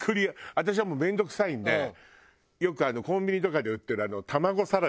私はもう面倒くさいんでよくコンビニとかで売ってる卵サラダあるじゃない。